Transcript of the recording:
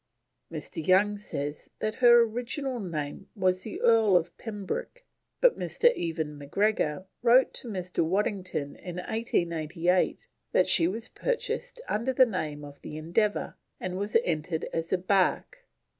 Dr. Young says that her original name was the Earl of Pembroke, but Sir Evan Macgregor wrote to Mr. Waddington in 1888 that she was purchased "under the name of the Endeavour, and was entered as a barque."